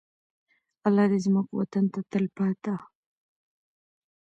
الله دې زموږ وطن ته تلپاته.